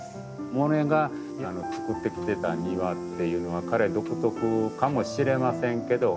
モネがつくってきてた庭っていうのは彼独特かもしれませんけど。